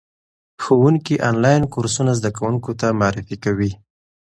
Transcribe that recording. ښوونکي آنلاین کورسونه زده کوونکو ته معرفي کوي.